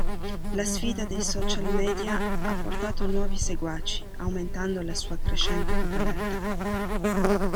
La sfida dei social media ha portato nuovi seguaci, aumentando la sua crescente popolarità.